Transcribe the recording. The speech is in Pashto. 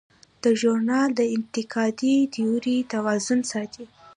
دا ژورنال د انتقادي تیورۍ توازن ساتي.